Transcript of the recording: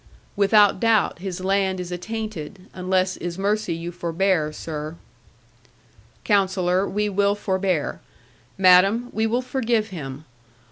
'Without doubt his land is attainted; unless is mercy you forbear, sir.' 'Counsellor, we will forbear. Madam, we will forgive him.